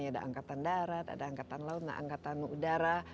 ada angkatan darat ada angkatan laut ada angkatan udara